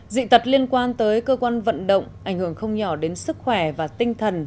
dị tật liên quan tới cơ quan vận động ảnh hưởng không nhỏ đến sức khỏe và tinh thần